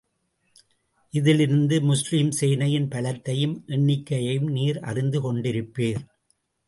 இதிலிருந்து முஸ்லிம் சேனையின் பலத்தையும், எண்ணிக்கையையும் நீர் அறிந்து கொண்டிருப்பீர்.